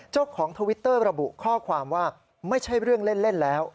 ทวิตเตอร์ระบุข้อความว่าไม่ใช่เรื่องเล่นแล้ว